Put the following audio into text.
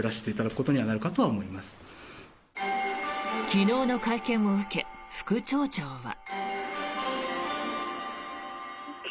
昨日の会見を受け副町長は。